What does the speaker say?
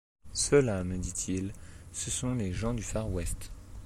Ceux-là, me dit-il, ce sont les gens du Far-West.